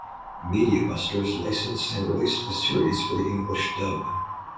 Media Busters licensed and released the series for the English dub.